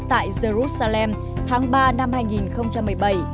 tại jerusalem tháng ba năm hai nghìn một mươi bảy